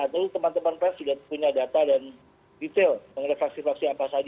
jadi teman teman presiden punya data dan detail mengenai fraksi fraksi apa saja